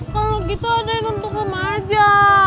kalau gitu ada yang untuk remaja